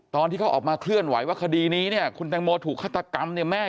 ตอนที่เขาออกมาเคลื่อนไหวว่าคดีนี้เนี่ยคุณแตงโมถูกฆาตกรรมเนี่ยแม่